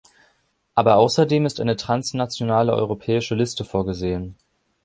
Aber außerdem ist eine transnationale europäische Liste vorgesehen.